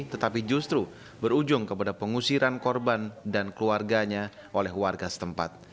tetapi justru berujung kepada pengusiran korban dan keluarganya oleh warga setempat